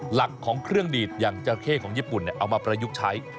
หลักของเครื่องดีดอย่างจราเข้ของญี่ปุ่นเอามาประยุกต์ใช้